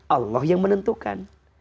allah yang menentukan